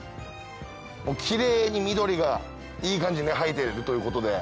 キレイに緑がいい感じに生えてるということで。